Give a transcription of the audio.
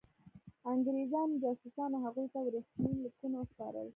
انګرېزانو جاسوسانو هغوی ته ورېښمین لیکونه وسپارل.